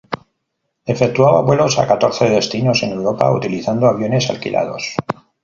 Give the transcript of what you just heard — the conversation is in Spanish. Efectuaba vuelos a catorce destinos en Europa utilizando aviones alquilados.